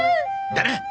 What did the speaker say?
だな。